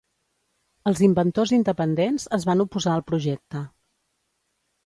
Els inventors independents es van oposar al projecte.